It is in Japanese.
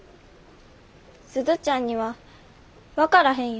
鈴ちゃんには分からへんよ。